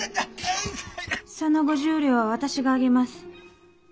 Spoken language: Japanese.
その５０両は私があげます。